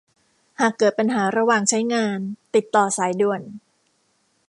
หากเกิดปัญหาระหว่างใช้งาน ติดต่อสายด่วน